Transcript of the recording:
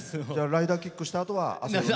ライダーキックしたあとは。